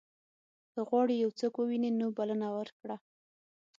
که غواړې یو څوک ووینې نو بلنه ورکړه.